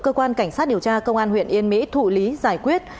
cơ quan cảnh sát điều tra công an huyện yên mỹ thụ lý giải quyết